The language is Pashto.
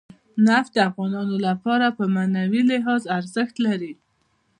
نفت د افغانانو لپاره په معنوي لحاظ ارزښت لري.